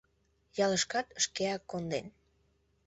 Ялышкат шкеак конден.